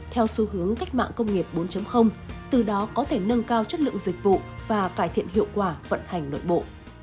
theo xu hướng cách mạng công nghiệp bốn từ đó có thể nâng cao chất lượng dịch vụ và cải thiện hiệu quả vận hành nội bộ